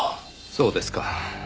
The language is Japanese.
そうですか。